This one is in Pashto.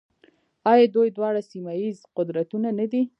آیا دوی دواړه سیمه ییز قدرتونه نه دي؟